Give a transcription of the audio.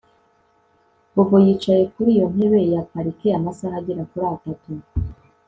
Bobo yicaye kuri iyo ntebe ya parike amasaha agera kuri atatu